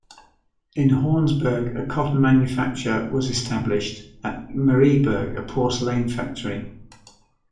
In Hornsberg a cotton manufacture was established, at Marieberg a porcelain factory.